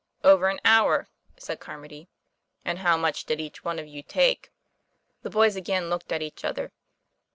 "Over an hour," said Carmody. "And how much did each one of you take?" The boys again looked at each other.